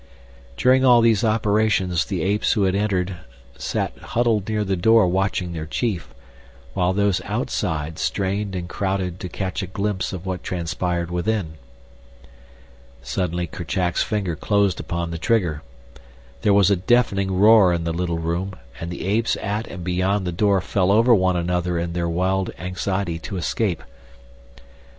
During all these operations the apes who had entered sat huddled near the door watching their chief, while those outside strained and crowded to catch a glimpse of what transpired within. Suddenly Kerchak's finger closed upon the trigger. There was a deafening roar in the little room and the apes at and beyond the door fell over one another in their wild anxiety to escape.